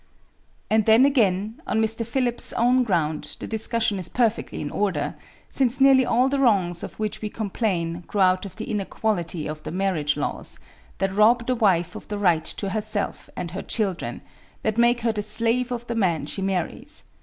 "And then, again, on Mr. Phillips' own ground, the discussion is perfectly in order, since nearly all the wrongs of which we complain grow out of the inequality of the marriage laws, that rob the wife of the right to herself and her children; that make her the slave of the man she marries.